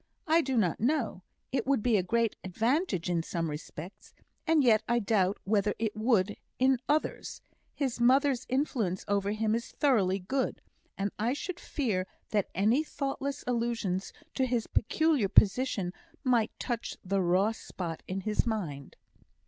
"I do not know. It would be a great advantage in some respects; and yet I doubt whether it would in others. His mother's influence over him is thoroughly good, and I should fear that any thoughtless allusions to his peculiar position might touch the raw spot in his mind."